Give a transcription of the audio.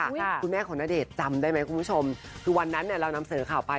คุณแม่ของณเดชน์จำได้ไหมคุณผู้ชมคือวันนั้นเนี่ยเรานำเสนอข่าวไป